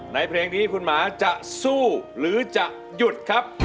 เพลงนี้คุณหมาจะสู้หรือจะหยุดครับ